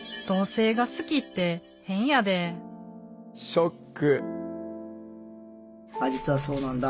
ショック。